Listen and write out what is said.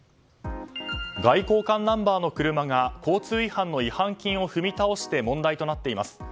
外交官ナンバーの車が交通違反の違反金を踏み倒して問題となっています。